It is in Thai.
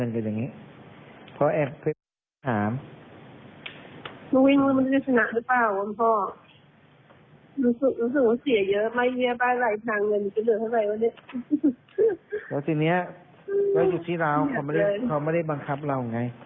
แล้วทีเนี้ยแล้วจุดที่ราวเขาไม่ได้เขาไม่ได้บังคับเราไง